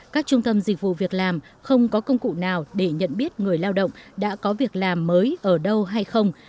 các trung tâm dịch vụ việc làm không có công cụ nào để nhận biết người lao động đã có việc làm mới ở đâu hay không